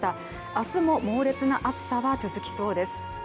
明日も猛烈な暑さは続きそうです。